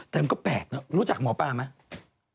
แต่มันก็แปลกเนอะรู้จักหมอปลาไหม